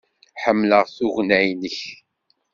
Ḥemmleɣ tugna-nnek.